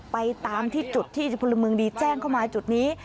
ไปตามที่จุดที่พลเมืองดีแจ้งเข้ามาจุดนี้